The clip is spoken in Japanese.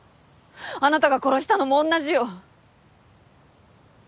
あなたが殺したのも同じよ。